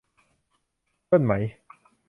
ย่นไหม